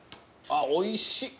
あっおいしい。